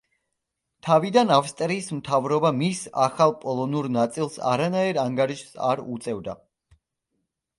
თავიდან ავსტრიის მთავრობა მის ახალ პოლონურ ნაწილს არანაირ ანგარიშს არ უწევდა.